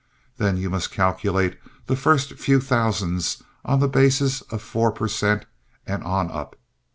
Then you must calculate the first few thousands on the basis of four per cent and on up.